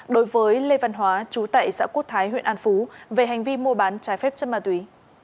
đối với lê văn hóa chú tại xã quốc thái huyện an phú về hành vi mua bán trái phép chất ma túy